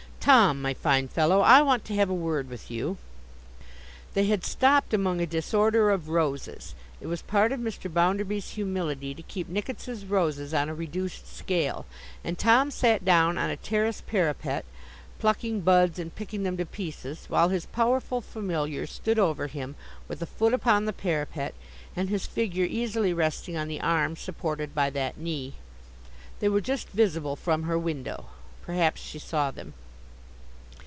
'Tom, my fine fellow, I want to have a word with you.' They had stopped among a disorder of roses—it was part of Mr. Bounderby's humility to keep Nickits's roses on a reduced scale—and Tom sat down on a terrace parapet, plucking buds and picking them to pieces; while his powerful Familiar stood over him, with a foot upon the parapet, and his figure easily resting on the arm supported by that knee. They were just visible from her window. Perhaps she saw them.